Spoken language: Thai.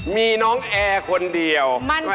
มีน้องแอร์คนเดียว